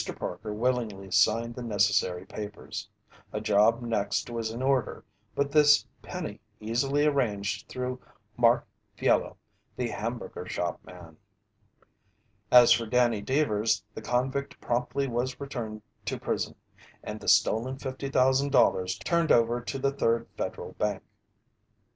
Parker willingly signed the necessary papers. A job next was in order, but this Penny easily arranged through Mark Fiello, the hamburger shop man. As for Danny Deevers, the convict promptly was returned to prison, and the stolen $50,000 turned over to the Third Federal Bank.